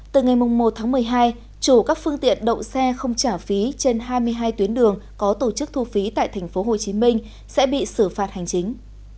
từ ngày một tháng một mươi hai chủ các phương tiện đậu xe không trả phí trên hai mươi hai tuyến đường có tổ chức thu phí tại tp hcm sẽ bị xử phạt hành chính